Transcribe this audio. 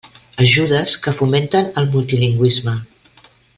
Ajudes que fomenten el multilingüisme.